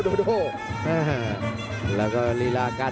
ทุกคนค่ะ